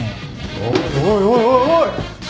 おおいおいおい！